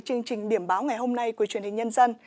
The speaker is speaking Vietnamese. chương trình điểm báo ngày hôm nay của truyền hình nhân dân